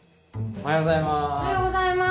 おはようございます。